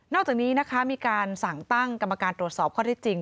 อกจากนี้นะคะมีการสั่งตั้งกรรมการตรวจสอบข้อที่จริง